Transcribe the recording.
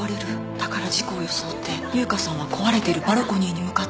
だから事故を装って優香さんは壊れているバルコニーに向かったんです。